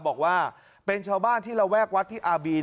บอกว่าเป็นชาวบ้านที่ระแวกวัดที่อาบีน